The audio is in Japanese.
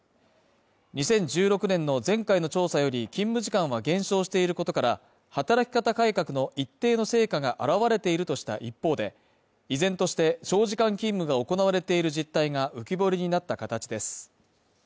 ２０１６年の前回の調査より勤務時間は減少していることから、働き方改革の一定の成果が表れているとした一方で、依然として長時間勤務が行われている実態が浮き彫りになった形です。